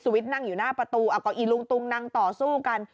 วิทย์นั่งอยู่หน้าประตูก็อีลุงตุงนั่งต่อสู้กัน